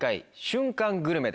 瞬間グルメ。